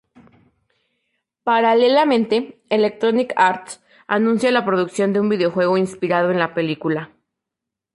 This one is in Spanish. Paralelamente, Electronic Arts anuncia la producción de un videojuego inspirado en la película.